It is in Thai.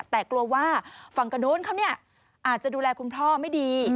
แต่กลัวว่าฝั่งกระโน้นเขาเนี่ยอาจจะดูแลคุณพ่อไม่ดี